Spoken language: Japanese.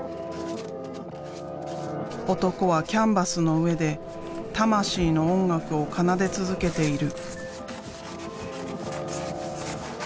男はキャンバスの上で魂の音楽を奏で続けている。